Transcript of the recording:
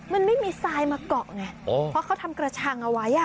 มันไม่มีทรายมาเกาะไงเพราะเขาทำกระชังเอาไว้อ่ะ